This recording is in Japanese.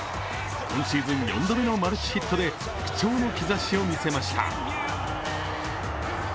今シーズン４度目のマルチヒットで復調の兆しを見せました。